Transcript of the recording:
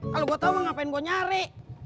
kalo gua tau mah ngapain gua nyari